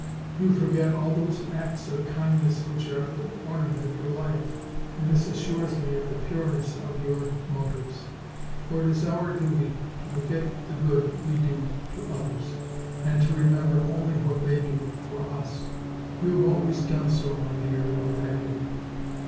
You forget all those acts of kind ness which are the ornament of your life, and this assures me of the pureness of your motives; for it is our duty to forget the good we do to others, and to remember only what they do for us. You haye always done so, my dear little Patty.